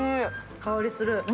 香りする？